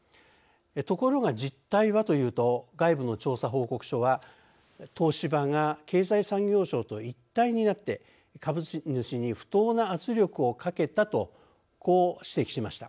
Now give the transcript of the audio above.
ところが実態はというと外部の調査報告書は東芝が経済産業省と一体になって株主に不当な圧力をかけたとこう指摘しました。